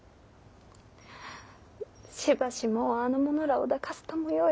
しばしもうあの者らを抱かずともよい。